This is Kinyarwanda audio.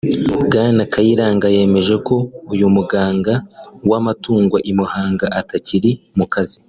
Bwana Kayiranga yemeje ko uyu muganga w’amatungo i Muhanga atakiri mu kazi